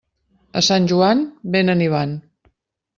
A Sant Joan, vénen i van.